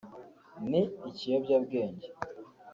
ni ikiyobyabwenge”